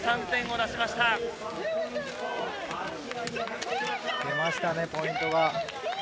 出ましたね、ポイントが。